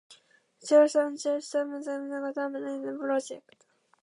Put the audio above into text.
Gilchrist and Chris Simcox are widely recognized as the founders of the Minuteman Project.